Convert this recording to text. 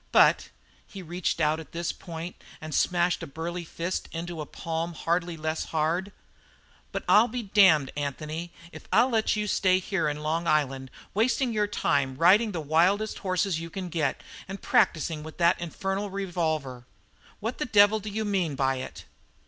But" he reached out at this point and smashed a burly fist into a palm hardly less hard "but I'll be damned, Anthony, if I'll let you stay here in Long Island wasting your time riding the wildest horses you can get and practising with an infernal revolver. What the devil do you mean by it?"